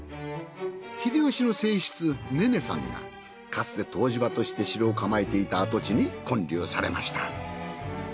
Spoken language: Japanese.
秀吉の正室ねねさんがかつて湯治場として城を構えていた跡地に建立されました。